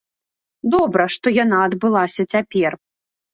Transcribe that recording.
Добра, што яна адбылася цяпер.